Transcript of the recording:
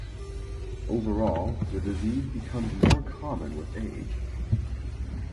Overall the disease becomes more common with age.